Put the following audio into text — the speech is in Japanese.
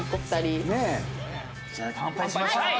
じゃあ乾杯しましょうか。